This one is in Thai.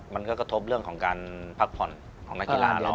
มันก็กระทบเรื่องของการพักผ่อนของนักกีฬาเรา